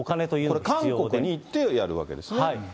これ、韓国に行ってやるわけですね。